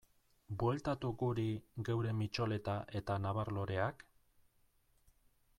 Bueltatu guri geure mitxoleta eta nabar-loreak?